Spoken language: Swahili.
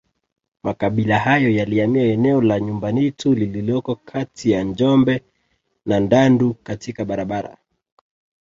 Makabila hayo yalihamia eneo la Nyumbanitu lililoko kati ya Njombe na Mdandu katika barabara